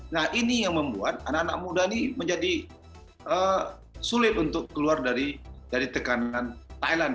nah ini yang membuat anak anak muda ini menjadi sulit untuk keluar dari tekanan thailand